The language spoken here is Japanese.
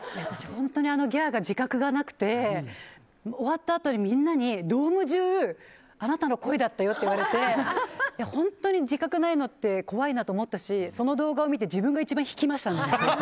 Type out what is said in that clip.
本当にギャーが自覚がなくて終わったあとにみんなにドーム中あなたの声だったよって言われて、本当に自覚ないのって怖いなと思ったしその動画を見て自分が一番引きましたね。